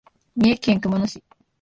三重県熊野市